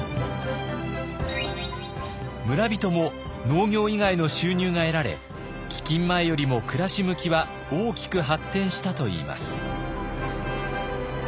村人も農業以外の収入が得られ飢饉前よりも暮らし向きは大きく発展したといいます。